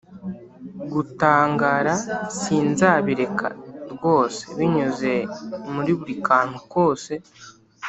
gutangara sinzabireka rwosebinyuze muri buri kantu kose